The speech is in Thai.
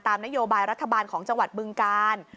นโยบายรัฐบาลของจังหวัดบึงกาล